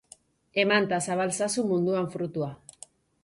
Eman ta zabal zazu munduan frutua.